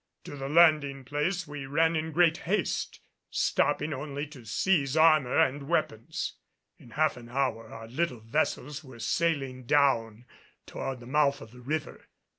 To the landing place we ran in great haste, stopping only to seize armor and weapons. In half an hour our little vessels were sailing down toward the mouth of the river.